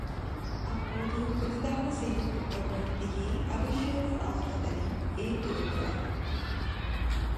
அப்போது புதிதாகச் செய்யப்பட்ட மூர்த்தியே அபிஷேக ஆராதனை ஏற்றிருக்கிறார்.